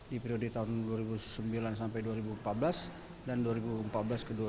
di periode tahun dua ribu sembilan sampai dua ribu empat belas dan dua ribu empat belas ke dua ribu sembilan belas